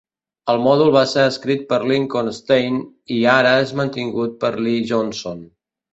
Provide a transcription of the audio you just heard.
El mòdul va ser escrit per Lincoln Stein i ara és mantingut per Lee Johnson.